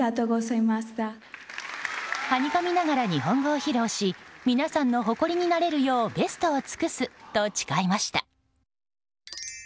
はにかみながら日本語を披露し皆さんの誇りになれるようベストを尽くすと誓いました。